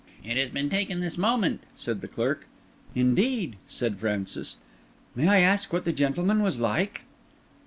"It has been taken this moment," said the clerk. "Indeed!" said Francis. "May I ask what the gentleman was like?"